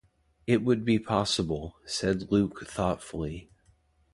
“It would be possible,” said Luke thoughtfully.